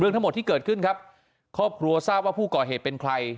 ทั้งหมดที่เกิดขึ้นครับครอบครัวทราบว่าผู้ก่อเหตุเป็นใคร